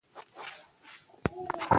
نن سبا هم د هغه ياد ژوندی دی.